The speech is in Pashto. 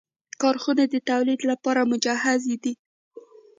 کارخونې د تولید لپاره مجهزې دي.